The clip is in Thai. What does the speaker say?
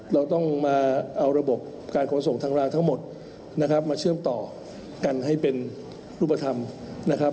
เราต้องมาเอาระบบการขนส่งทางรางทั้งหมดนะครับมาเชื่อมต่อกันให้เป็นรูปธรรมนะครับ